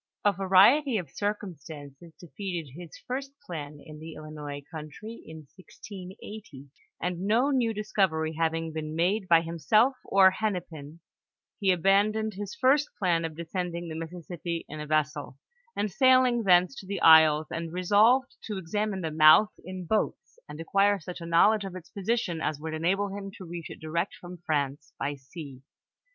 A variety of circumstances defeated his first plan in the Illinois country, in 1680, and no new discovery having been made by himself or Hennepin, he abandoned his first plan of de scending the Mississippi in a vessel, and sailing thence to the isles, and resolved to examine the mouth in boats, and acquire such a knowledge of its position as would enable him to reach it direct from France by sea.